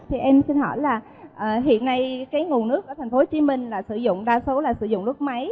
thì em xin hỏi là hiện nay cái nguồn nước ở tp hcm là sử dụng đa số là sử dụng nước máy